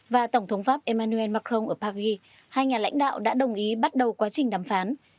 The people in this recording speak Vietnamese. và tổng thống pháp emmanuel macron ở paris hai nhà lãnh đạo đã đồng ý bắt đầu quá trình đàm phán